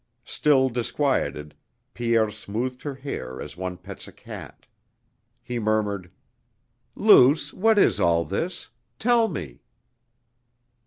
Still disquieted, Pierre smoothed her hair as one pets a cat. He murmured: "Luce, what is all this? Tell me...."